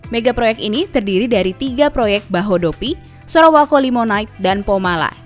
mega proyek ini terdiri dari tiga proyek bahodopi sarawakolimonight dan pomala